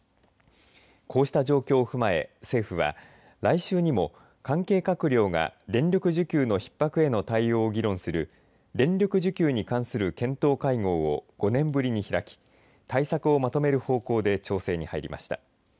こうした状況を踏まえ政府は来週にも関係閣僚が電力需給のひっ迫への対応を議論する電力需給に関する検討会合を５年ぶりに開き対策をまとめる方向で調整に入りました。